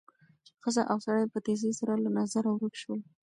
ښځه او سړی په تېزۍ سره له نظره ورک شول.